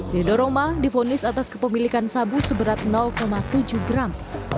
rido roma difonis atas kepemilikan sabu seberat tujuh gram